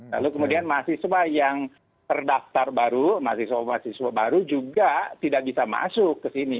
lalu kemudian mahasiswa yang terdaftar baru mahasiswa mahasiswa baru juga tidak bisa masuk ke sini